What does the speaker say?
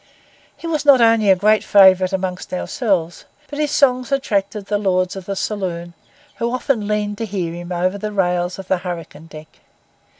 He was not only a great favourite among ourselves, but his songs attracted the lords of the saloon, who often leaned to hear him over the rails of the hurricane deck.